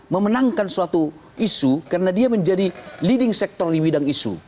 memenangkan suatu isu karena dia menjadi leading sector di bidang isu